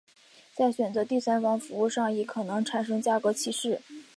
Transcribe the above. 在选择的第三方服务上亦可能产生价格歧视。